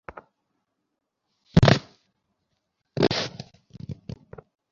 Wish লিস্টে tick চিহ্ন দেয়া হচ্ছে।